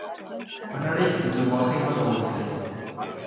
په نړۍ کي د زورواکۍ مخه ونیسئ.